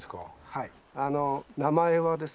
はい。